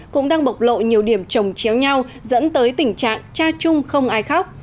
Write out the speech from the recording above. cũng đang bộc lộ nhiều điểm trồng chéo nhau dẫn tới tình trạng cha chung không ai khóc